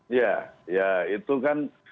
ya ya itu kan